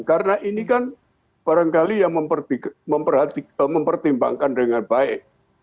karena ini kan barangkali yang mempertimbangkan dengan baik